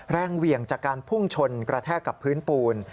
เหวี่ยงจากการพุ่งชนกระแทกกับพื้นปูน